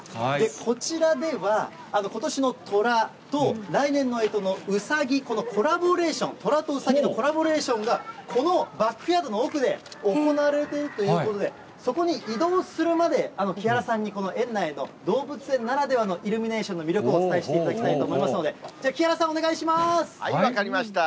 こちらでは、ことしのとらと来年のえとのうさぎ、このコラボレーション、トラとウサギのコラボレーションが、このバックヤードの奥で行われているということで、そこに移動するまで、木原さんにこの園内の動物園ならではのイルミネーションの魅力をお伝えしていただきたいと思いますので、では木原さん、お願いしはい分かりました。